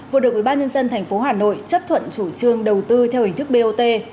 vừa được ủy ban nhân dân thành phố hà nội chấp thuận chủ trương đầu tư theo hình thức bot